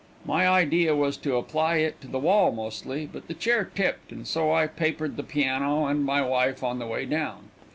My idea was to apply it to the wall mostly, but the chair tipped, and so I papered the piano and my wife on the way down.